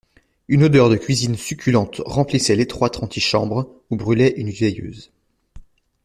Une odeur de cuisine succulente remplissait l'étroite antichambre où brûlait une veilleuse.